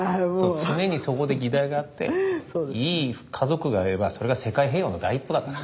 常にそこで議題があっていい家族があればそれが世界平和の第一歩だから。